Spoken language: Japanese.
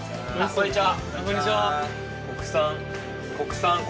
こんにちは